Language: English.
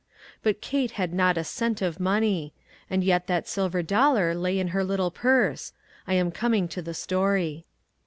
But Kate had not a cent of money. And yet that silver dollar lay in her little purse. I am coming to its story.